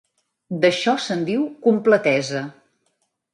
D'això se'n diu "completesa".